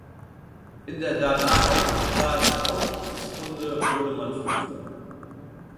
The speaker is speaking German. In der danach ausgetragenen Aufstiegsrunde wurde man Fünfter.